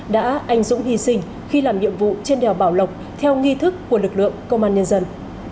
đã anh dũng hy sinh khi làm nhiệm vụ trên đèo bảo lộc theo nghi thức của lực lượng công an nhân dân